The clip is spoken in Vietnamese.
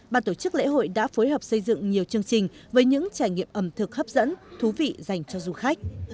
ban tổ chức lễ hội đã phối hợp xây dựng nhiều chương trình với những trải nghiệm ẩm thực hấp dẫn thú vị dành cho du khách